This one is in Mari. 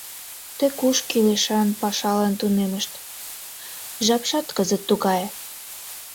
Тек уш кӱлешан пашалан тунемышт, жапшат кызыт тугае.